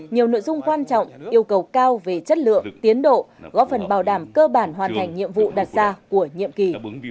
nhiều nội dung quan trọng yêu cầu cao về chất lượng tiến độ góp phần bảo đảm cơ bản hoàn thành nhiệm vụ đặt ra của nhiệm kỳ